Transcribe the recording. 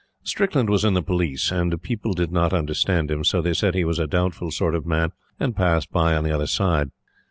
Strickland was in the Police, and people did not understand him; so they said he was a doubtful sort of man and passed by on the other side.